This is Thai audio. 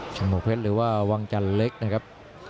ฉมวกเพชรหรือว่าวังจันทร์เล็กนะครับ